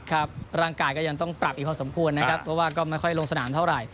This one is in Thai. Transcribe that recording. ครับร่างกายก็ยังต้องปรับอีกพอสมควรนะครับเพราะว่าก็ไม่ค่อยลงสนามเท่าไหร่